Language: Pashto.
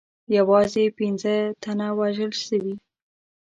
یوازې پنځه تنه وژل سوي.